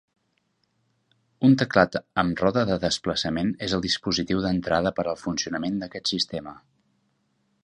Un teclat amb roda de desplaçament és el dispositiu d'entrada per al funcionament d'aquest sistema.